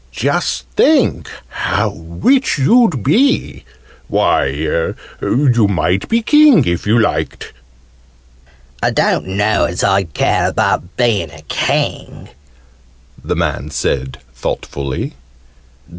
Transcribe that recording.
Just think how rich you'd be! Why, you might be a King, if you liked!" "I don't know as I'd care about being a King," the man said thoughtfully.